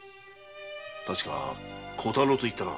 確か小太郎と言ったな。